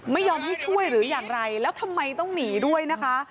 ไม่ยอมให้ช่วยหรืออย่างไรแล้วทำไมต้องหนีด้วยนะคะ